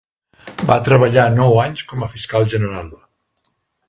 Va treballar nou anys com a fiscal general.